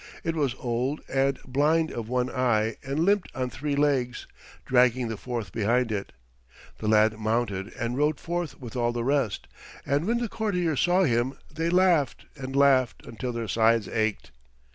It was old and blind of one eye and limped on three legs, dragging the fourth behind it. The lad mounted and rode forth with all the rest, and when the courtiers saw him they laughed and laughed until their sides ached.